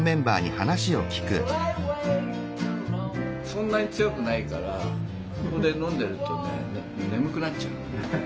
そんなに強くないからここで飲んでるとね眠くなっちゃうの。